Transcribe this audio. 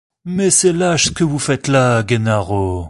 Mais c’est lâche ce que vous faites là, G ennaro!